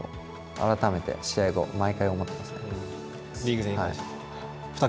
改めて試合後毎回思ってますね。